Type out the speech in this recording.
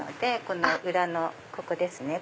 この裏のここですね。